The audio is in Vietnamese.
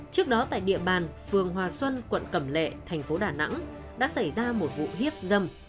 trước đó tại địa bàn phường hòa xuân quận cẩm lệ thành phố đà nẵng đã xảy ra một vụ hiếp dâm